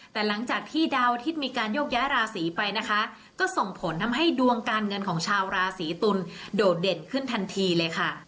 แต่หลังจากที่ดาวอาทิตย์มีการโยกย้ายราศีไปนะคะก็ส่งผลทำให้ดวงการเงินของชาวราศีตุลโดดเด่นขึ้นทันทีเลยค่ะ